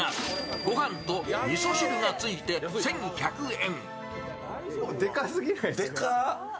ご飯とみそ汁がついて１１００円。